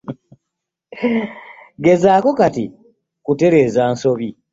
Ngezaako kati kutereeza nsobi.